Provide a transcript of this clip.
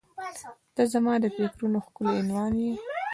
• ته زما د فکرونو ښکلی عنوان یې.